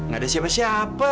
gak ada siapa siapa